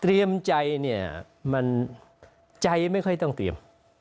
ใจเนี่ยมันใจไม่ค่อยต้องเตรียม